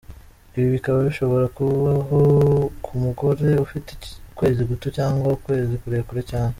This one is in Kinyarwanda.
Ibi bikaba bishobora kubaho ku mugore ufite ukwezi guto cyangwa ukwezi kurekure cyane.